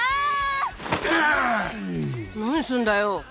何すんだよ？